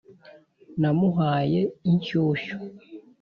namuhaye inshyushyu